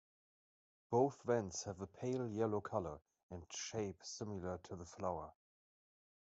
Both vents have a pale yellow color and shape similar to the flower.